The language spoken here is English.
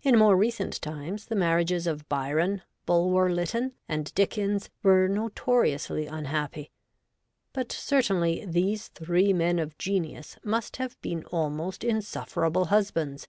In more recent times, the marriages of Byron, Bulwer Lytton, and Dickens were notoriously un happy ; but, certainly, these three men of genius must have been almost insufferable husbands.